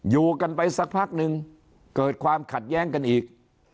อยู่กันไปสักพักนึงเกิดความขัดแย้งกันอีก